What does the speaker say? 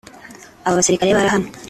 Abo basirikare barahanwe